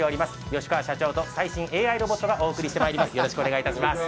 吉川社長と最新ＡＩロボットがお伝えしてまいります。